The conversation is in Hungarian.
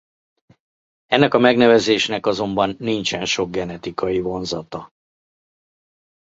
Ennek a megnevezésnek azonban nincsen sok genetikai vonzata.